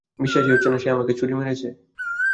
বিশ্বাসই হচ্ছে না সে আমাকে ছুরি মেরেছে।